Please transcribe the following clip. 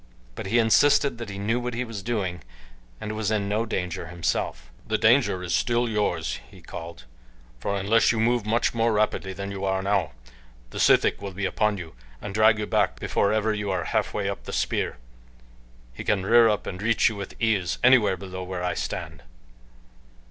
But he insisted that he knew what he was doing and was in no danger himself. "The danger is still yours," he called, "for unless you move much more rapidly than you are now, the sithic will be upon you and drag you back before ever you are halfway up the spear he can rear up and reach you with ease anywhere below where I stand."